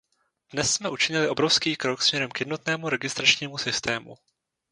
Dnes jsme učinili obrovský krok směrem k jednotnému registračnímu systému.